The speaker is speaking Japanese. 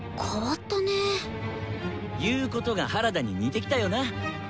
言うことが原田に似てきたよな。